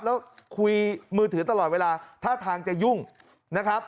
แล้วคุยมือถือตลอดเวลาท่าทางจะยุ่งนะครับ